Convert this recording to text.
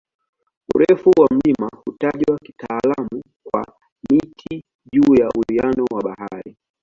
Urefu wa mlima hutajwa kitaalamu kwa "mita juu ya uwiano wa bahari".